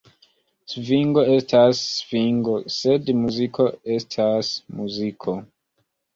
Svingo estas svingo, sed muziko estas muziko!